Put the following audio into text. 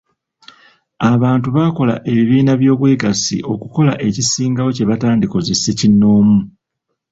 Abantu bakola ebibiina by'obwegassi okukola ekisingawo kye batandikoze ssekinnoomu.